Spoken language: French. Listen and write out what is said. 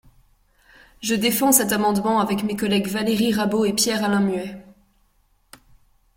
Je défends cet amendement avec mes collègues Valérie Rabault et Pierre-Alain Muet.